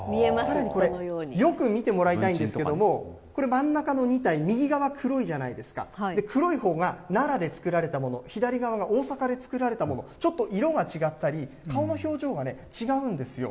これね、よく見てもらいたいんですけども、これ、真ん中の２体、右側、黒いじゃないですか、黒いほうが奈良で作られたもの、左側が大坂で作られたもの、ちょっと色が違ったり、顔の表情が違うんですよ。